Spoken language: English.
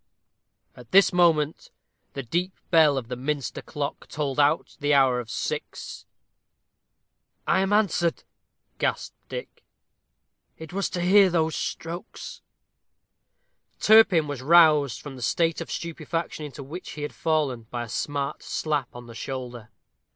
At this moment the deep bell of the Minster clock tolled out the hour of six. "I am answered," gasped Dick; "it was to hear those strokes." Turpin was roused from the state of stupefaction into which he had fallen by a smart slap on the shoulder.